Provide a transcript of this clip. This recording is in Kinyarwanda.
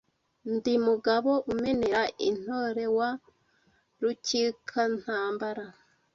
Ndi Mugabo umenera intorewa Rukikantambara